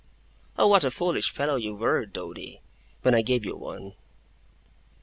Oh what a foolish fellow you were, Doady, when I gave you one!